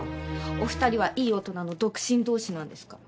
お二人はいい大人の独身同士なんですから。